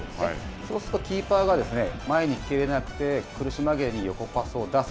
そうすると、キーパーが前に蹴れなくて、苦し紛れに横パスを出す。